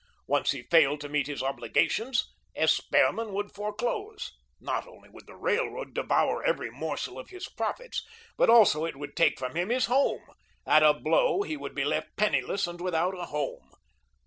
Once he failed to meet his obligations, S. Behrman would foreclose. Not only would the Railroad devour every morsel of his profits, but also it would take from him his home; at a blow he would be left penniless and without a home.